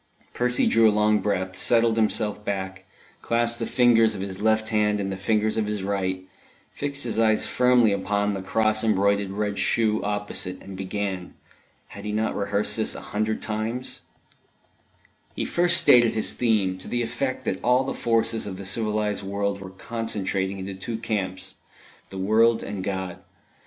Percy drew a long breath, settled himself back, clasped the fingers of his left hand in the fingers of his right, fixed his eyes firmly upon the cross embroidered red shoe opposite, and began. (Had he not rehearsed this a hundred times!) He first stated his theme; to the effect that all the forces of the civilised world were concentrating into two camps the world and God.